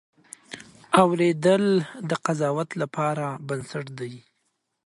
اورېدل د قضاوت لپاره بنسټ دی.